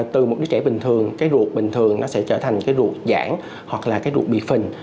từ một đứa trẻ bình thường cái ruột bình thường nó sẽ trở thành ruột giãn hoặc là ruột bị phình